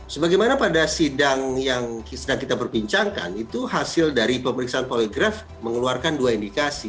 sebagaimana pada sidang yang sedang kita perbincangkan itu hasil dari pemeriksaan poligraf mengeluarkan dua indikasi